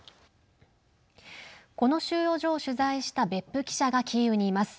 この収容所を取材した別府記者がキーウにいます。